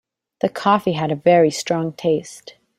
The coffee had a very strong taste.